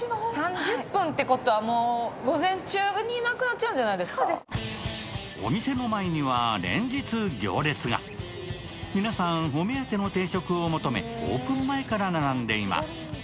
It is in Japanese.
３０分ってことはもう午前中になくなっちゃうんじゃないですかそうですお店の前には連日行列が皆さんお目当ての定食を求めオープン前から並んでいます